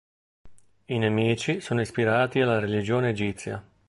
I nemici sono ispirati alla religione egizia.